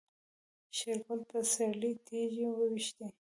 شېرګل په سيرلي تيږې وويشتې.